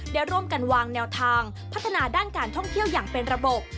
ได้ร่วมกันวางแนวทางพัฒนาด้านการท่องเที่ยวอย่างเป็นระบบ